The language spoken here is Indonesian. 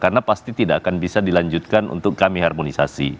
karena pasti tidak akan bisa dilanjutkan untuk kami harmonisasi